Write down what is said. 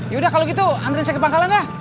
yaudah kalau gitu antren saya ke pangkalan dah